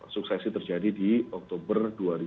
suksesi terjadi di oktober